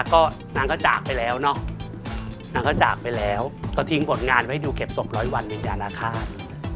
ก็นางก็จากไปแล้วเนอะนางก็จากไปแล้วก็ทิ้งบทงานไว้ดูเก็บศพร้อยวันวิญญาณอาฆาต